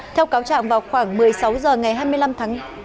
theo cáo trạng vào khoảng một mươi sáu h ngày hai mươi năm tháng